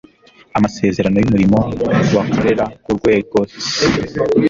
amasezerano y'umurimo bakorera ku rwegos